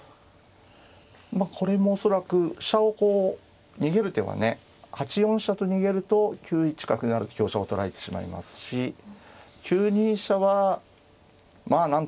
まあこれも恐らく飛車をこう逃げる手はね８四飛車と逃げると９一角成と香車を取られてしまいますし９二飛車はまあ何というんですかね